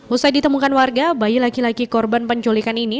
usai ditemukan warga bayi laki laki korban penculikan ini